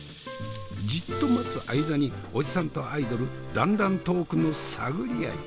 じっと待つ間におじさんとアイドル団らんトークの探り合い。